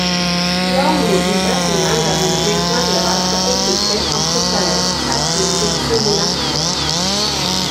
Hi ha un grup impressionant de monuments medievals que consisteix en fortaleses, esglésies i monestirs.